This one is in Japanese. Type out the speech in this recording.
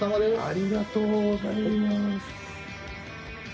ありがとうございます！